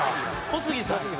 小杉さんや」